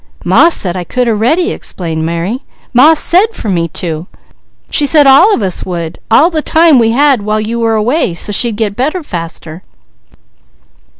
"Ma said I could a ready," explained Mary. "Ma said for me to! She said all of us would, all the time we had while you were away, so she'd get better faster.